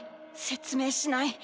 説明しない。